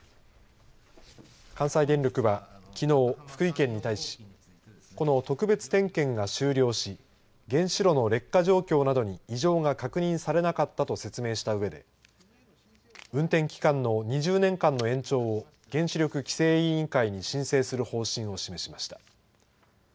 関西電力は、きのう福井県に対しこの特別点検が終了し原子炉の劣化状況などに異常が確認されなかったと説明したうえで運転期間の２０年間の延長を原子力規制委員会に申請する方針を示しました。